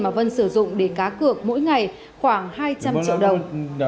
mà vân sử dụng để cá cược mỗi ngày khoảng hai trăm linh triệu đồng